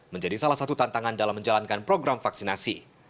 menjadi salah satu tantangan dalam menjalankan program vaksinasi